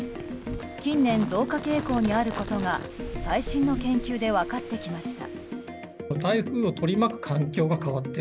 近年、増加傾向にあることが最新の研究で分かってきました。